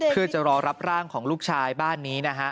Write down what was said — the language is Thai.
เพื่อจะรอรับร่างของลูกชายบ้านนี้นะฮะ